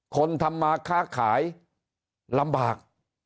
คนทำมาค้าขายลำบาก